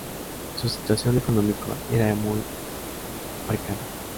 Su situación económica era muy precaria.